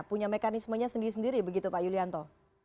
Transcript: punya mekanismenya sendiri sendiri begitu pak yulianto